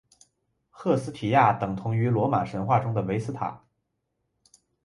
赫斯提亚等同于罗马神话中的维斯塔。